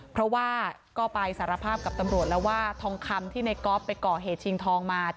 เพราะว่าก็ไปสารภาพกับตำรวจแล้วว่าทองคำที่ในก๊อฟไปก่อเหตุชิงทองมา